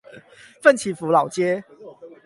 奮起湖老街